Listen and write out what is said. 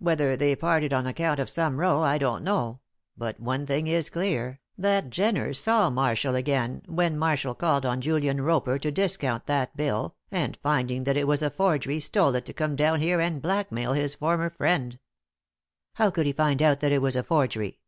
Whether they parted on account of come row, I don't know; but one thing is clear, that Jenner saw Marshall again when Marshall called on Julian Roper to discount that bill, and finding that it was a forgery stole it to come down here and blackmail his former friend." "How could he find out that it was a forgery?"